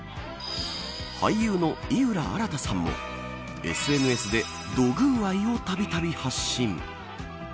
俳優の井浦新さんもＳＮＳで土偶愛をたびたび発信。